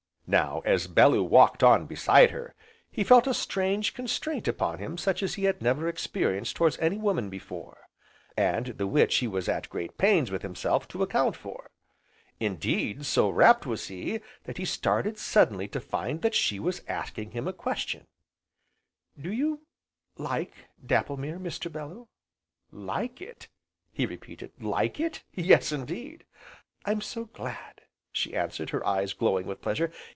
Now, as Bellew walked on beside her, he felt a strange constraint upon him such as he had never experienced towards any woman before, and the which he was at great pains with himself to account for. Indeed so rapt was he, that he started suddenly to find that she was asking him a question: "Do you like Dapplemere, Mr. Bellew?" "Like it!" he repeated, "like it? Yes indeed!" "I'm so glad!" she answered, her eyes glowing with pleasure.